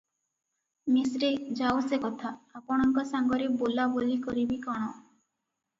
ମିଶ୍ରେ- ଯାଉ ସେ କଥା, ଆପଣଙ୍କ ସାଙ୍ଗରେ ବୋଲାବୋଲି କରିବି କଣ?